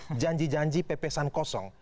untuk janji janji pepesan kosong